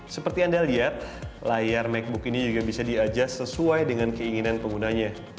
seperti anda lihat layar macbook ini juga bisa diajas sesuai dengan keinginan penggunanya